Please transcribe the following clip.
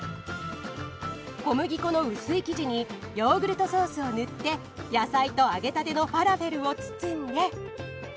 小麦粉の薄い生地にヨーグルトソースを塗って野菜と揚げたてのファラフェルを包んで。